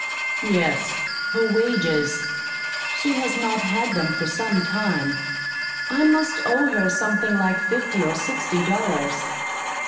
"Yes, her wages. She has not had them for some time. I must owe her something like fifty or sixty dollars.